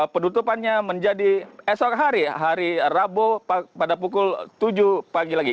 penutupannya menjadi esok hari hari rabu pada pukul tujuh pagi lagi